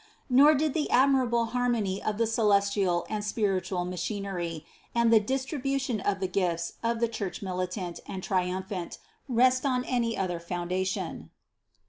Nor did the admirable harmony of the celestial and spiritual machinery, and the distribution of the gifts of the Church militant and triumphant rest on any other foundation.